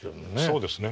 そうですね。